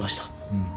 うん。